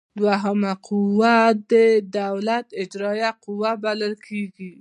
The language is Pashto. دوهمه قوه د دولت اجراییه قوه بلل کیږي.